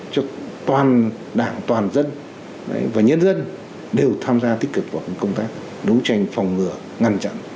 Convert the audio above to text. cho toàn đảng toàn dân và nhân dân đều tham gia tích cực vào công tác đấu tranh phòng ngừa ngăn chặn